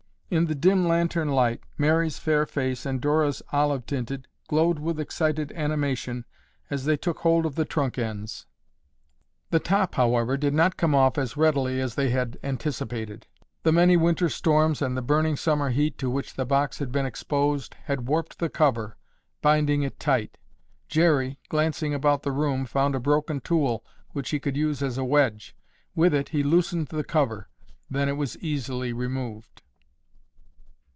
In the dim lantern light Mary's fair face and Dora's olive tinted glowed with excited animation as they took hold of the trunk ends. The top, however, did not come off as readily as they had anticipated. The many winter storms and the burning summer heat to which the box had been exposed had warped the cover, binding it tight. Jerry, glancing about the room, found a broken tool which he could use as a wedge. With it he loosened the cover. Then it was easily removed.